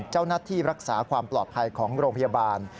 เจ้าหน้าที่รักษาความปลอดภัยของโรงพยาบาล